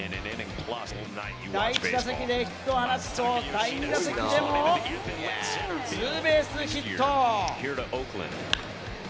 第１打席でヒットを放つと、第２打席でもツーベースヒット。